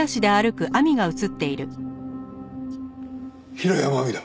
平山亜美だ。